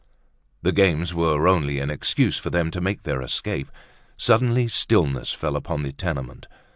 The games were only an excuse for them to make their escape. Suddenly stillness fell upon the tenement.